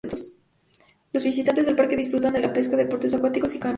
Los visitantes del parque disfrutan de la pesca, deportes acuáticos, y camping.